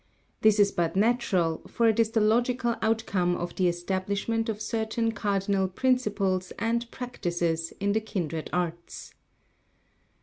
This is but natural, for it is the logical outcome of the establishment of certain cardinal principles and practices in the kindred arts.